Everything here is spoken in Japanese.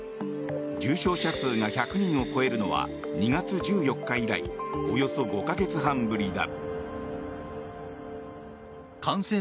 重症者数が１００人を超えるのは２月１４日以来およそ５か月半ぶりだ。